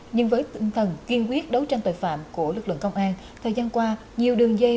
nhưng với tinh thần kiên quyết đấu tranh tội phạm của lực lượng công an thời gian qua nhiều đường dây